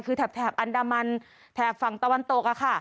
คือแถบอันดามันแถบฝั่งตะวันตกอะค่ะ